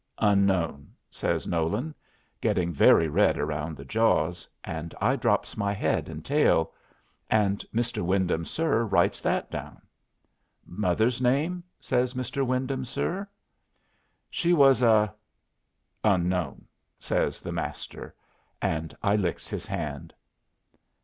"Unknown," says Nolan, getting very red around the jaws, and I drops my head and tail. And "Mr. Wyndham, sir," writes that down. "Mother's name?" says "Mr. Wyndham, sir." "She was a unknown," says the Master. And I licks his hand.